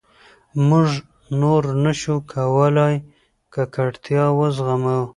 موږ نور نه شو کولای ککړتیا وزغمو.